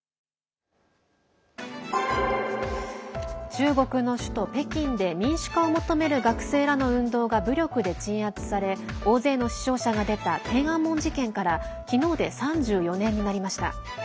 中国の首都・北京で民主化を求める学生らの運動が武力で鎮圧され大勢の死傷者が出た天安門事件から昨日で３４年になりました。